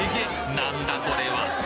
何だこれは！